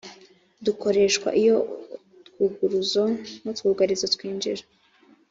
dukoreshwa iyo utwuguruzo n utwugarizo twinjira